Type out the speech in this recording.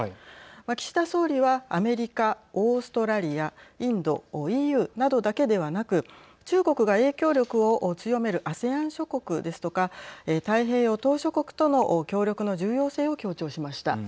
岸田総理はアメリカ、オーストラリアインド、ＥＵなどだけではなく中国が影響力を強めるＡＳＥＡＮ諸国ですとか太平洋島しょ国との協力の重要性を強調しました。